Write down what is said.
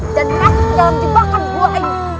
dan tak jauh dibakar buah air